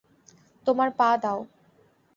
তোমার পা দাও।